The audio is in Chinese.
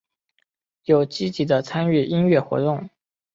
有积极的参与音乐活动。